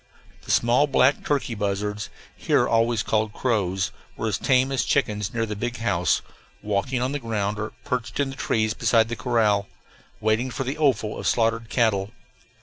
The small black turkey buzzards, here always called crows, were as tame as chickens near the big house, walking on the ground or perched in the trees beside the corral, waiting for the offal of the slaughtered cattle.